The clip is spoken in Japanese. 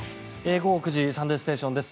午後９時「サンデーステーション」です。